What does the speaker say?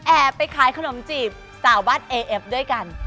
ไปขายขนมจีบสาวบ้านเอเอฟด้วยกัน